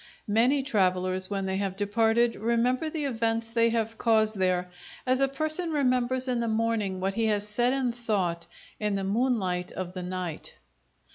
Many travellers, when they have departed, remember the events they have caused there as a person remembers in the morning what he has said and thought in the moonlight of the night.